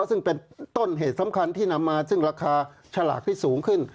ซึ่งเป็นต้นเหตุสำคัญที่นำมาซึ่งราคาฉลากที่สูงขึ้น